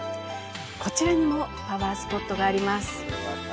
こちらにもパワースポットがあります。